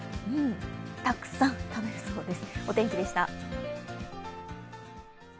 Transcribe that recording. たくさん食べそうです。